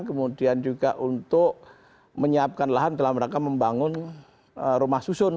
kemudian juga untuk menyiapkan lahan dalam rangka membangun rumah susun